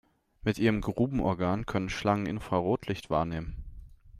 Mit ihrem Grubenorgan können Schlangen Infrarotlicht wahrnehmen.